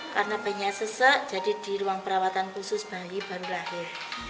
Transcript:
karena bayinya sesak jadi di ruang perawatan khusus bayi baru lahir